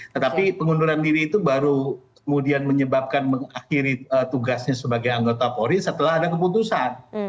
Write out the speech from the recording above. tetapi pengunduran diri itu baru kemudian menyebabkan mengakhiri tugasnya sebagai anggota polri setelah ada keputusan